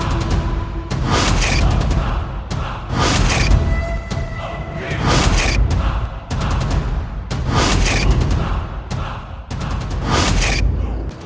aku akan menang